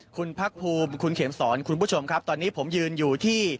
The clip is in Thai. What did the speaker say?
คุณพักภูมิคุณเข็มสอนคุณผู้ชมครับตอนนี้ผมยืนอยู่ที่